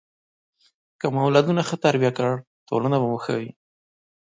که مو اولادونه ښه تربیه کړل، ټولنه به مو ښه وي.